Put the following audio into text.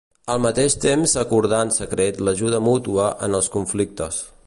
Al mateix temps s'acordà en secret l'ajuda mútua en els conflictes.